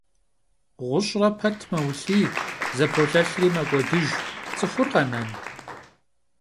ГъущӀрэ пэт мэулъий, зэполъэлъри мэкӀуэдыж, цӀыхур къэнэн?!